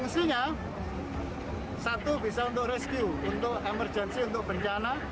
isinya satu bisa untuk rescue untuk emergency untuk bencana